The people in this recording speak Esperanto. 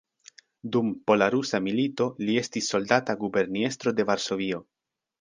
Dum pola-rusa milito li estis soldata guberniestro de Varsovio.